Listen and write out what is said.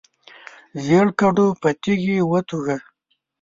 ژیړ کډو په تیږي وتوږه.